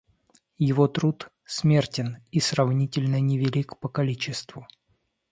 Его труд смертен и сравнительно невелик по количеству.